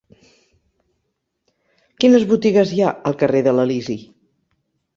Quines botigues hi ha al carrer de l'Elisi?